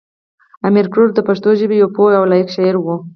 امیر کروړ د پښتو ژبې یو پوه او لایق شاعر و.